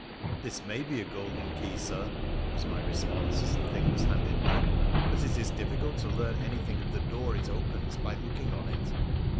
' This may be a golden key, Sir,' was my response, as the thing was handed back, ' but it is difficult to learn anything of the door it opens by looking on it.'